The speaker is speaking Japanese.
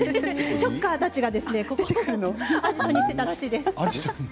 ショッカーたちがアジトにしていたそうです。